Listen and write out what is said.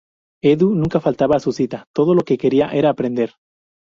Edu nunca faltaba a su cita, todo lo que quería era aprender.